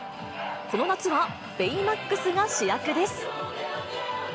この夏はベイマックスが主役です。